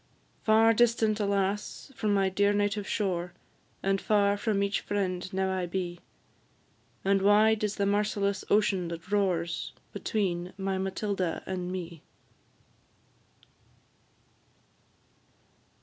Far distant, alas! from my dear native shore, And far from each friend now I be; And wide is the merciless ocean that roars Between my Matilda and me.